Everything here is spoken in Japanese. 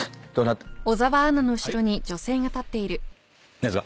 何ですか？